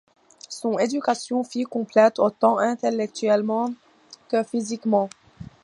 Son éducation fut complète, autant intellectuellement que physiquement.